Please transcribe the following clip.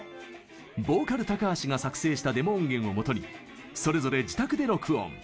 ボーカル・高橋が作成したデモ音源をもとにそれぞれ自宅で録音。